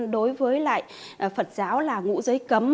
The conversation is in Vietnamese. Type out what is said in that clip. đối với phật giáo là ngũ giới cấm